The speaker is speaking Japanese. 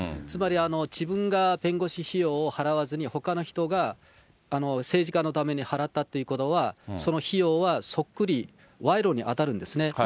つまり、自分が弁護士費用を払わずに、ほかの人が政治家のために払ったということは、その費用はそっくり賄賂に当たるんですね。